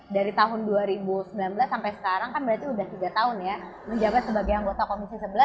dari tahun dua ribu sembilan belas sampai sekarang kan berarti sudah tiga tahun ya menjabat sebagai anggota komisi sebelas